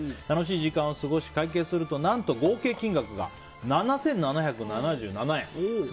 楽しい時間を過ごし会計をすると何と合計金額が７７７７円。